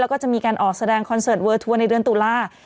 แล้วก็จะมีการออกแสดงคอนเสิร์ตเวิลทูอร์ในเดือนตุลา๑๒๐๐รพส